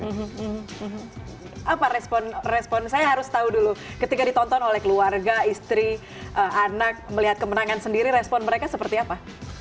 hmm apa respon saya harus tahu dulu ketika ditonton oleh keluarga istri anak melihat kemenangan sendiri respon mereka seperti apa